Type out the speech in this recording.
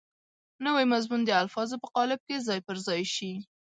نوی مضمون د الفاظو په قالب کې ځای پر ځای شي.